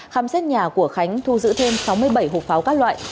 khám xét nhà của khánh thu giữ thêm sáu mươi bảy hộp pháo các loại